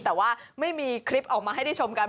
แต่ว่าไม่มีคลิปออกมาให้ได้ชมกัน